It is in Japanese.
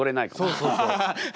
そうそうそう。